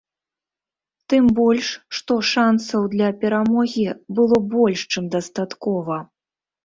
Тым больш, што шанцаў для перамогі было больш чым дастаткова.